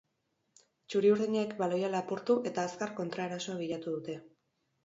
Txuri-urdinek baloia lapurtu eta azkar kontraerasoa bilatu dute.